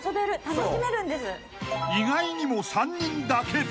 ［意外にも３人だけ］